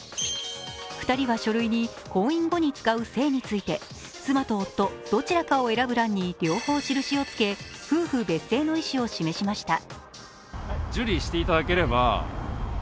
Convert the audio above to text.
２人は書類に、婚姻後に使う姓について妻と夫、どちらかを選ぶ欄に両方印をつけ夫婦別姓の意思を示しました。